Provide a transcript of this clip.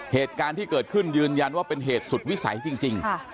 เหตุการณ์ที่เกิดขึ้นยืนยันว่าเป็นเหตุสุดวิสัยจริง